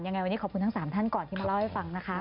ยังไงวันนี้ขอบคุณทั้ง๓ท่านก่อนที่มาเล่าให้ฟังนะคะ